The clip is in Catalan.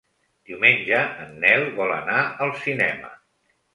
Diumenge en Nel vol anar al cinema.